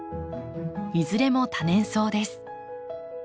いずれも多年草です。